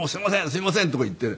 すみません！」とか言って。